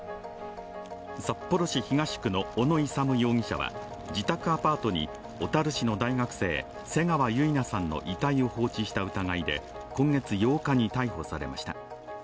札幌市東区の小野勇容疑者は自宅アパートに小樽市の大学生、瀬川結菜さんの遺体を放置した疑いで今月８日に逮捕されました。